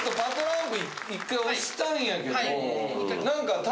何か。